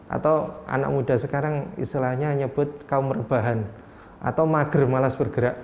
atau anak muda sekarang istilahnya nyebut kaum rebahan atau mager malas bergerak